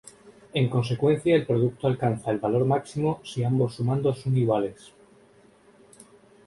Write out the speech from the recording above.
En consecuencia el producto alcanza el valor máximo si ambos sumandos son iguales.